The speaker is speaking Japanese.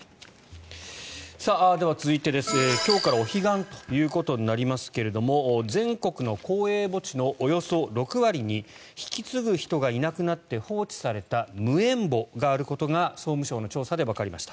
では続いて、今日からお彼岸ということになりますが全国の公営墓地のおよそ６割に引き継ぐ人がいなくなって放置された無縁墓があることが総務省の調査でわかりました。